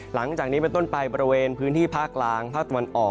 หลังจากนี้เป็นต้นไปบริเวณพื้นที่ภาคกลางภาคตะวันออก